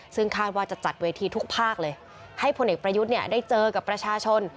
ซึ่งคาดว่าจะจัดเวทีทุกภาคเลยให้พลเอกประยุทธ์เนี่ยได้เจอกับประชาชน